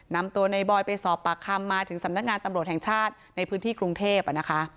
นำตัวในบอยไปสอบปากคำมาถึงสำนักงานตำรวจแห่งชาติในพื้นที่กรุงเทพนะคะ